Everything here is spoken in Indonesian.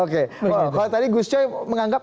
oke kalau tadi gus coy menganggap